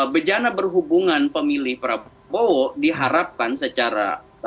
bejana berhubungan pemilih prabowo diharapkan secara